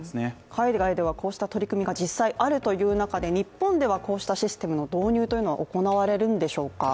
海外ではこうした取り組みが実際にあるという中で、日本ではこうしたシステムの導入は行われるんでしょうか。